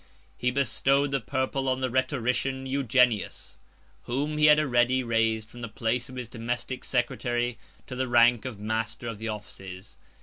He bestowed the purple on the rhetorician Eugenius; 109 whom he had already raised from the place of his domestic secretary to the rank of master of the offices.